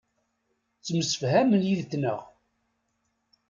Ttemsefhamen yid-nteɣ.